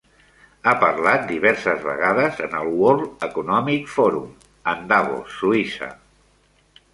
Ha parlat diverses vegades en el World Economic Forum en Davos, Suïssa.